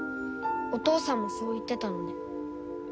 お父さんもそう言ってたので。